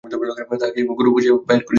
তাহাকে তাহার গুরু খুঁজিয়া বাহির করিতে হইবে।